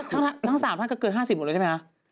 ทั้ง๓ท่านก็เกิน๕๐หมดเลยใช่ไหมคะ